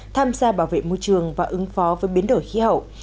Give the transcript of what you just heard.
tham gia bảo vệ môi trường và ứng phó với biến đổi khí hậu